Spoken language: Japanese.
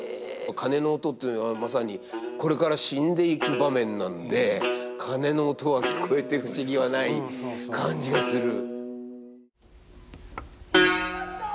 鐘の音っていうのはまさにこれから死んでいく場面なんで鐘の音は聞こえて不思議はない感じがする。